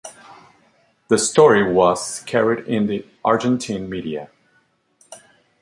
The story was carried in the Argentine media.